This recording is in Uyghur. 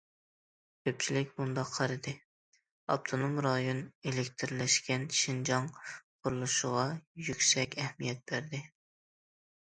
كۆپچىلىك مۇنداق قارىدى: ئاپتونوم رايون ئېلېكتىرلەشكەن شىنجاڭ قۇرۇلۇشىغا يۈكسەك ئەھمىيەت بەردى.